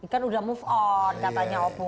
kan udah move on katanya opu